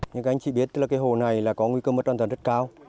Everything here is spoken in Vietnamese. những anh chị biết là cái hồ này là có nguy cơ mất an toàn rất cao